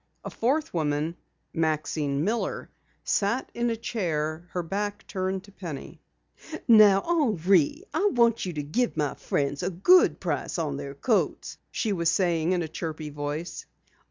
A fourth woman, Maxine Miller, sat in a chair, her back turned to Penny. "Now Henri, I want you to give my friends a good price on their coats," she was saying in a chirpy voice.